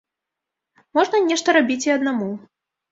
Можна нешта рабіць і аднаму.